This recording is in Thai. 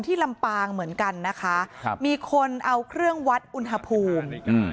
ที่ลำปางเหมือนกันมีคนเอาเครื่องวัดอุณหภูมิ